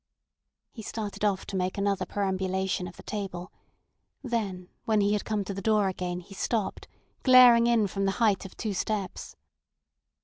He started off to make another perambulation of the table; then when he had come to the door again he stopped, glaring in from the height of two steps.